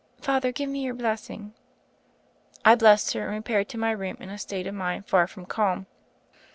Father, give me your blessing." I blessed her and repaired to my room in a state of mind far from calm.